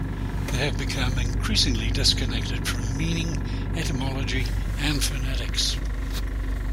They have become increasingly disconnected from meaning, etymology and phonetics.